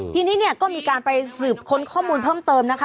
ทีนี้เนี่ยก็มีการไปสืบค้นข้อมูลเพิ่มเติมนะคะ